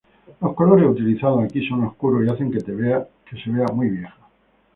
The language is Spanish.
Los colores utilizados aquí son oscuros y hacen que se vea muy vieja.